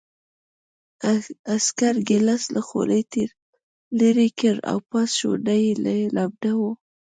عسکر ګیلاس له خولې لېرې کړ او پاس شونډه یې لمده وه